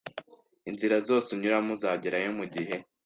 Inzira zose unyuramo, uzagerayo mugihe.